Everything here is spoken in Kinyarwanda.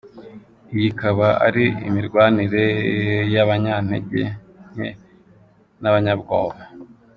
Iyi ikaba ari imirwanire y’abanyantege nke n’abanyabwoba.